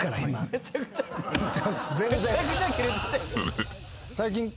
めちゃくちゃキレてる。